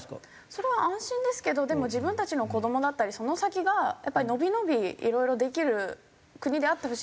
それは安心ですけどでも自分たちの子どもだったりその先が伸び伸びいろいろできる国であってほしいなと。